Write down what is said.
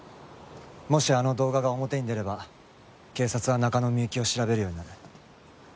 もしあの動画が表に出れば警察は中野幸を調べるようになる。